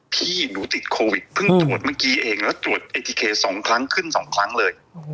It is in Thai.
พี่หนูติดโควิดเพิ่งตรวจเมื่อกี้เองแล้วตรวจเอทีเค๒ครั้งขึ้น๒ครั้งเลย